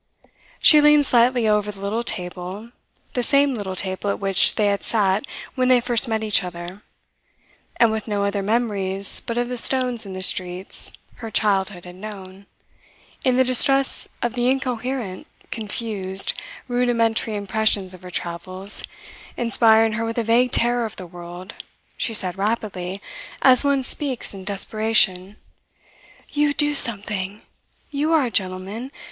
She leaned slightly over the little table, the same little table at which they had sat when they first met each other; and with no other memories but of the stones in the streets her childhood had known, in the distress of the incoherent, confused, rudimentary impressions of her travels inspiring her with a vague terror of the world she said rapidly, as one speaks in desperation: "You do something! You are a gentleman.